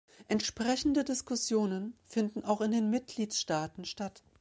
Entsprechende Diskussionen finden auch in den Mitgliedstaaten statt.